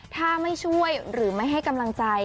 ถ้าไม่ช่วยหรือไม่ให้กำลังใจ